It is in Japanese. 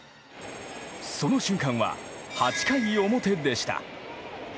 その瞬間は８回表でした。